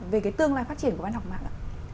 về cái tương lai phát triển của văn học mạng ạ